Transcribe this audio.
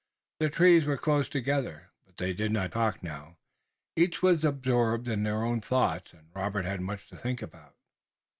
Their trees were close together, but they did not talk now. Each was absorbed in his own thoughts and Robert had much to think about.